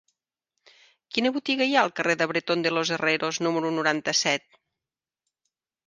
Quina botiga hi ha al carrer de Bretón de los Herreros número noranta-set?